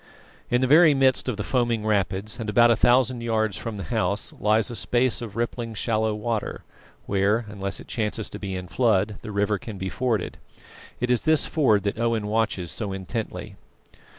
In the very midst of the foaming rapids, and about a thousand yards from the house lies a space of rippling shallow water, where, unless it chances to be in flood, the river can be forded. It is this ford that Owen watches so intently.